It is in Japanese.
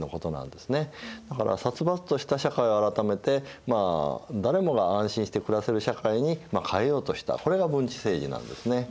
だから殺伐とした社会を改めてまあ誰もが安心して暮らせる社会に変えようとしたこれが文治政治なんですね。